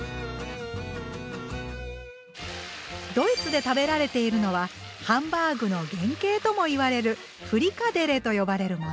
ドイツで食べられているのはハンバーグの原型とも言われるフリカデレと呼ばれるもの。